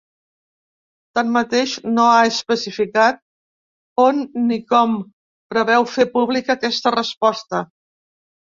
Tanmateix, no ha especificat on ni com preveu fer pública aquesta resposta.